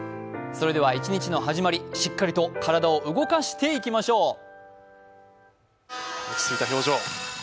それでは一日の始まり、しっかりと体を動かしていきましょう。